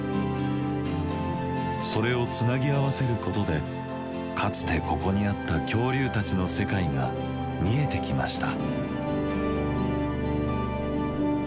それをつなぎ合わせることでかつてここにあった恐竜たちの世界が見えてきました。